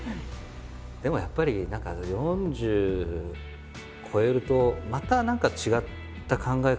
でもやっぱり何か４０超えるとまた何か違った考え方になっていくっていうか。